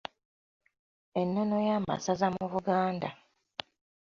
Ennono y'amasaza mu Buganda.